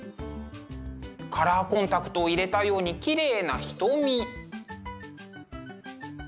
カラーコンタクトを入れたようにきれいな瞳。